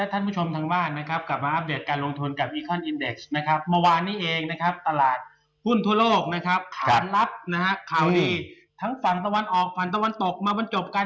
เราจะไปมองเรื่องการพิจารณาตราดอกเรียก